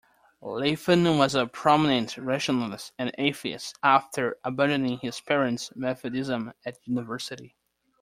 Latham was a prominent rationalist and atheist, after abandoning his parent's Methodism at university.